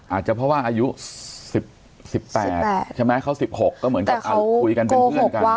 อาจจะเพราะว่าอายุ๑๘ใช่ไหมเขา๑๖ก็เหมือนกับคุยกันเป็นเพื่อนกัน